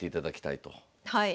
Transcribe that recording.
はい。